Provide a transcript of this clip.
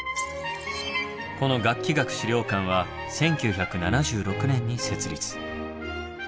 この楽器学資料館は１９７６年に設立。